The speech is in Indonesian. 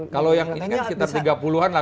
kalau yang ini kan sekitar tiga puluh an lah